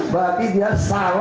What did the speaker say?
berarti dia salah mengikuti